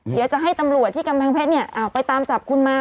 เดี๋ยวจะให้ตำรวจที่กำแพงเพชรไปตามจับคุณมา